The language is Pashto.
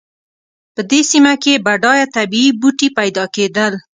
په دې سیمه کې بډایه طبیعي بوټي پیدا کېدل.